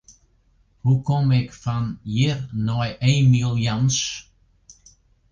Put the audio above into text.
Hoe kom ik fan hjir nei Emiel Jans?